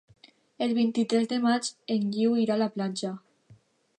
El vint-i-tres de maig en Guiu irà a la platja.